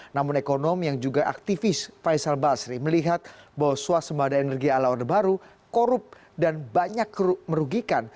namun ekonom yang juga aktivis faisal basri melihat bahwa suasembada energi ala orde baru korup dan banyak merugikan